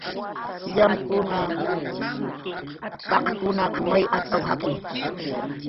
"Llamkuna, paq""kunaq may atz'aw jakki"